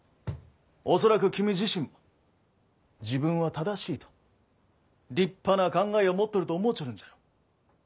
恐らく君自身も自分は正しいと立派な考えを持っとると思うちょるんじゃろう。